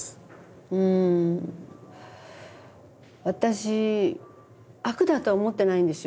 うん私悪だとは思ってないんですよ